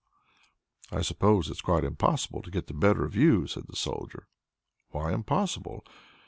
"I suppose it's quite impossible to get the better of you?" says the Soldier. "Why impossible?